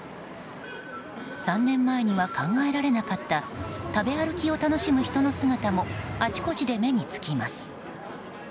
３年前には考えられなかった食べ歩きを楽しむ人の姿もあちこちで目に付きます。